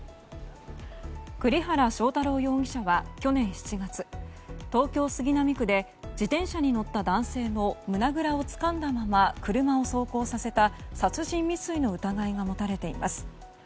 栗原正太郎容疑者は去年７月東京・杉並区で自転車に乗った男性の胸ぐらをつかんだまま車を走行させた殺人未遂の疑いが持たれています。